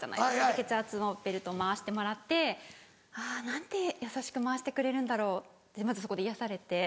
血圧のベルト回してもらって「あぁ何て優しく回してくれるんだろう」ってまずそこで癒やされて。